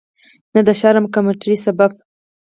نه د شرم او کمترۍ سبب.